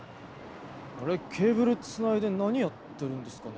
あれケーブルつないで何やってるんですかね？